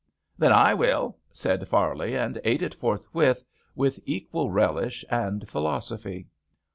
"Then I will," said Farley, and ate it forthwith with equal relish and philosophy.